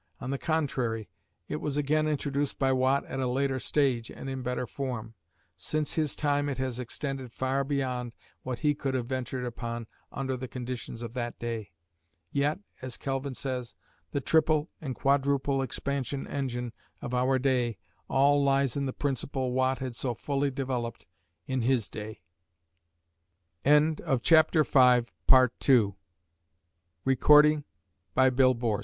On the contrary, it was again introduced by Watt at a later stage and in better form. Since his time it has extended far beyond what he could have ventured upon under the conditions of that day. "Yet," as Kelvin says, "the triple and quadruple expansion engine of our day all lies in the principle Watt had so fully developed in his day." If those in London had only listened to Frankli